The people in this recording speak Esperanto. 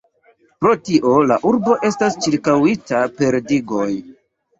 Pro tio la urbo estas ĉirkaŭita per digoj.